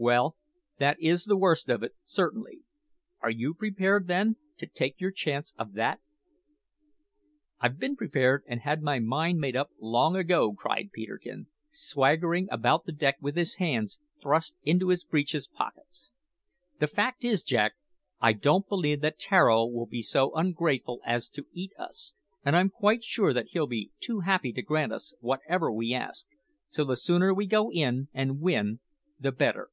"Well, that is the worst of it, certainly. Are you prepared, then, to take your chance of that?" "I've been prepared and had my mind made up long ago," cried Peterkin, swaggering about the deck with his hands thrust into his breeches pockets. "The fact is, Jack, I don't believe that Tararo will be so ungrateful as to eat us, and I'm quite sure that he'll be too happy to grant us whatever we ask; so the sooner we go in and win the better."